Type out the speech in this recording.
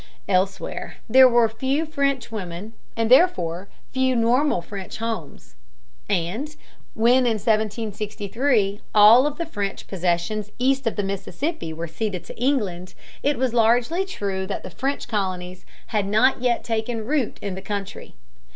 Elsewhere there were few French women and therefore few normal French homes, and when in 1763 all of the French possessions east of the Mississippi were ceded to England, it was largely true that the French colonies had not yet taken root in the country.